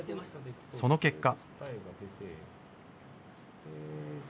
その結果。